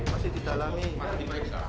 masih di dalam ini